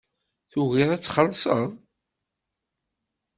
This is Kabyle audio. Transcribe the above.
Tugiḍ ad txellṣeḍ.